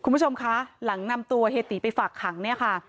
คุณผู้ชมคะหลังนำตัวเฮียตีไปฝากขังเนี่ยค่ะ